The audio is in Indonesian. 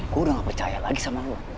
gue udah nggak percaya lagi sama lo